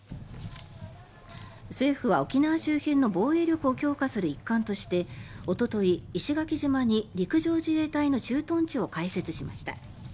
政府は沖縄周辺の防衛力を強化する一環としておととい、石垣島に陸上自衛隊の駐屯地を開設しました。